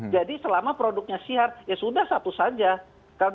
jadi selama produknya siar ya sudah satu saja